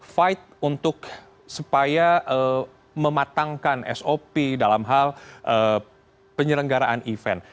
fight untuk supaya mematangkan sop dalam hal penyelenggaraan event